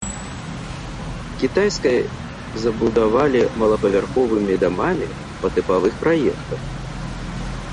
Кітайскай забудавалі малапавярховымі дамамі па тыпавых праектах.